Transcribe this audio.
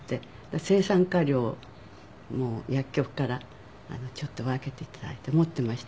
青酸カリをもう薬局からちょっと分けて頂いて持っていましたね。